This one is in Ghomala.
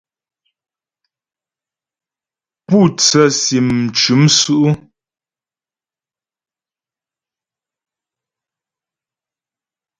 Pú tsə́sim m cʉ́m sʉ́' ʉ́ ?